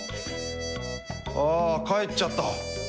あ帰っちゃった。